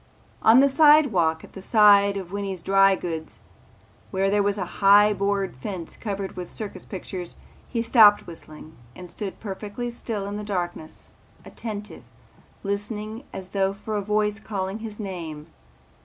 On the sidewalk at the side of Winney's Dry Goods Store where there was a high board fence covered with circus pictures, he stopped whistling and stood perfectly still in the darkness, attentive, listening as though for a voice calling his name.